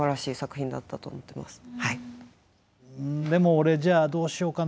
俺じゃあどうしようかな。